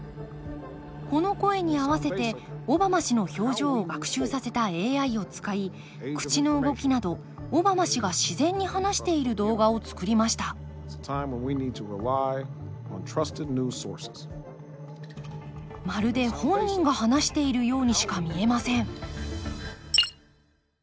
この声に合わせてオバマ氏の表情を学習させたＡＩを使い口の動きなどオバマ氏が自然に話している動画をつくりましたまるで本人が話しているようにしか見えません